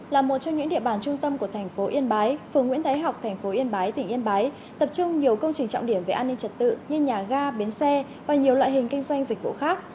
là một trong những địa bàn trung tâm của thành phố yên bái phường nguyễn thái học tp yên bái tỉnh yên bái tập trung nhiều công trình trọng điểm về an ninh trật tự như nhà ga bến xe và nhiều loại hình kinh doanh dịch vụ khác